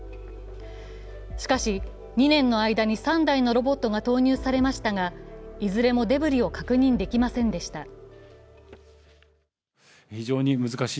しかし、２年の間に３台のロボットが投入されましたがいずれもデブリを確認できませんでした。